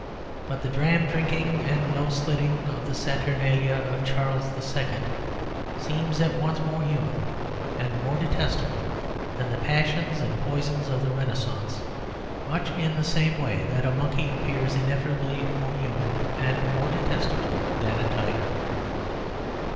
But the dram drinking and nose slitting of the saturnalia of Charles II. seem at once more human and more detestable than the passions and poisons of the Renaissance, much in the same way that a monkey appears inevitably more human and more detestable than a tiger.